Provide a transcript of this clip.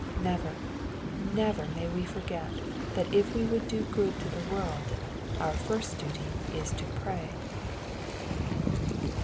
Never, never may we forget that if we would do good to the world, our first duty is to pray